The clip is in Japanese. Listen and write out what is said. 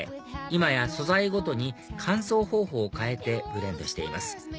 今や素材ごとに乾燥方法を変えてブレンドしています